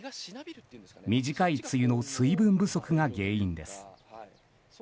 短い梅雨の水分不足が原因です。